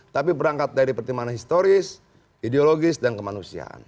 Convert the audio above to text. tapi berangkat dari pertimbangan historis ideologis dan kemanusiaan